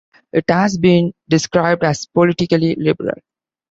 It has been described as politically liberal.